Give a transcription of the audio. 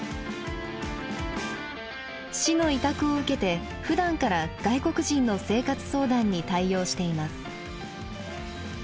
市の委託を受けてふだんから外国人の生活相談に対応しています。